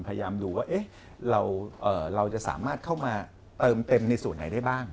พยายามดูว่าเราจะสามารถเข้ามาเติมเต็มในส่วนไหนได้บ้าง